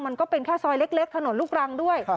มันก็เป็นแค่ซอยเล็กถนนลูกรังด้วย